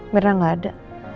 mirna gak ada